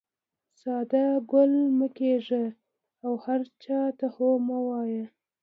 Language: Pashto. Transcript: ساده ګل مه کېږه او هر چا ته هو مه وایه.